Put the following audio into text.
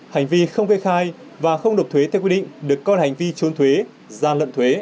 hành vi không gây khai và không nộp thuế theo quy định được coi là hành vi trốn thuế gian lận thuế